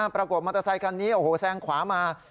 ปรากฏมอเตอร์ไซค์คันนี้แซงขวามา